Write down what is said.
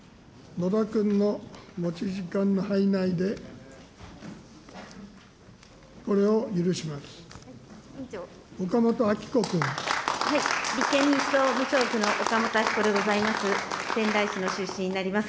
野田君の持ち時間の範囲内でこれを許します。